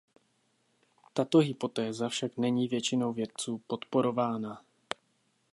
Tato hypotéza však není většinou vědců podporována.